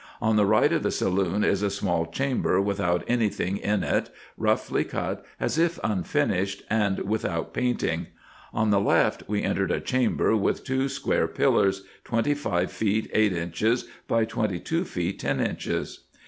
On the right of the saloon is a small chamber without any thing in it, roughly cut, as if unfinished, and without painting : on the left we entered a chamber with two square pillars, twenty five feet eight inches by twenty two feet ten inches.